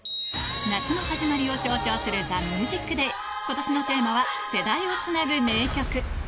夏の始まりを象徴する『ＴＨＥＭＵＳＩＣＤＡＹ』今年のテーマは「世代をつなぐ名曲」